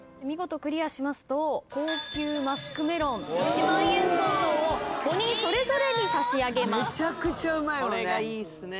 見事クリアしますと高級マスクメロン１万円相当を５人それぞれに差し上げます。